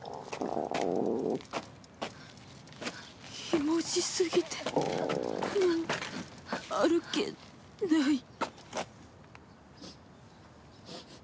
ひもじすぎてもう歩けない